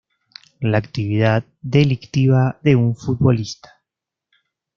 La actividad delictiva de un futbolista.